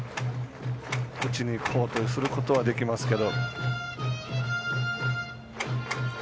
打ちにいこうとすることはできますけど。